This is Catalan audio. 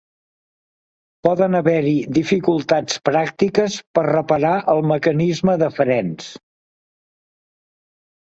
Poden haver-hi dificultats pràctiques per reparar el mecanisme de frens.